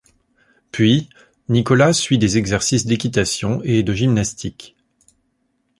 Puis, Nicolas suit des exercices d'équitation et de gymnastique.